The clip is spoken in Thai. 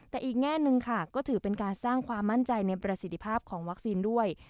แต่อีกแง่หนึ่งค่ะก็ถือเป็นการสร้างความมั่นใจในประสิทธิภาพของวัคซีนด้วย